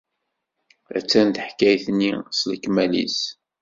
Attan teḥkayt-nni s lekmal-nnes.